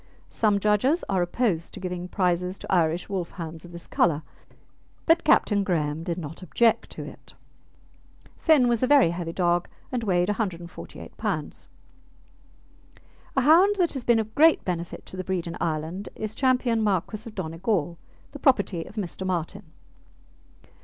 Some judges are opposed to giving prizes to Irish Wolfhounds of this colour, but Captain Graham did not object to it. Finn was a very heavy dog, and weighed 148 lbs. A hound that has been of great benefit to the breed in Ireland is Ch. Marquis of Donegal, the property of Mr. Martin.